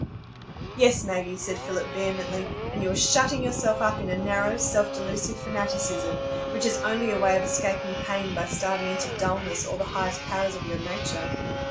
"Yes, Maggie," said Philip, vehemently; "and you are shutting yourself up in a narrow, self delusive fanaticism, which is only a way of escaping pain by starving into dulness all the highest powers of your nature.